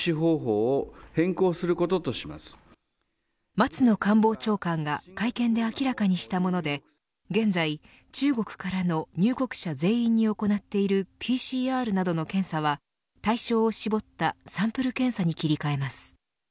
松野官房長官が会見で明らかにしたもので現在、中国からの入国者全員に行っているＰＣＲなどの検査は対象を絞ったサンプル検査に切り替えます。